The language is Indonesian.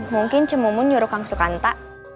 mungkin cemumun nyuruh kamu sukanta